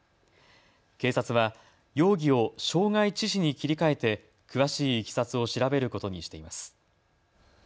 警察は容疑を傷害致死に切り替えて、詳しいいきさつを調べることにしています。